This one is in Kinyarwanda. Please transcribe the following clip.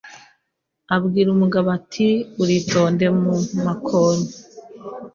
Abwira umugabo ati uritonde mu makoni